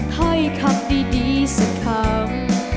ให้คำดีสักคำ